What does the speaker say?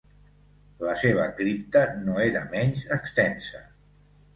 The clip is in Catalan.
La seva cripta no era menys extensa.